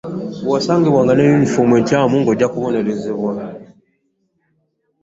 Bwe wasangibwanga ne yunifomu enkyafu nga ojja kubonerezebwa.